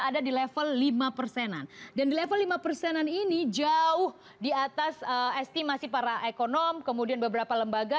ada di level lima persenan dan di level lima persenan ini jauh di atas estimasi para ekonom kemudian beberapa lembaga